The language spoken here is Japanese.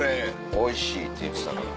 「おいしい」って言ってたから。